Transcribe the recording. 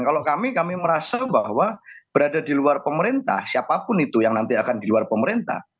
kalau kami kami merasa bahwa berada di luar pemerintah siapapun itu yang nanti akan di luar pemerintah